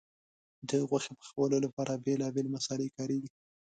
د غوښې پخولو لپاره بیلابیل مسالې کارېږي.